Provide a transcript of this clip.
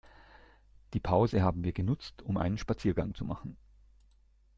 Die Pause haben wir genutzt, um einen Spaziergang zu machen.